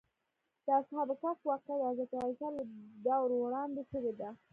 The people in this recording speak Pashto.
د اصحاب کهف واقعه د حضرت عیسی له دور وړاندې شوې ده.